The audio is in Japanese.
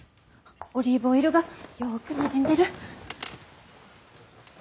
オリーブオイルがよくなじんでる。